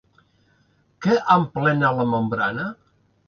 Què emplena la membrana?